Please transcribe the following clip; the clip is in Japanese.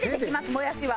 もやしは。